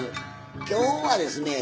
今日はですね